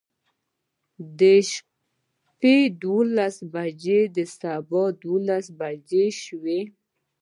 د شپې دولس بجې د سبا دولس بجې شوې.